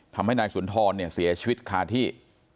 ทำให้นายสุนทรเนี่ยเสียชีวิตคาที่